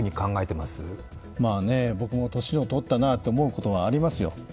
まあね、僕も年をとったなって思うことはありますよ。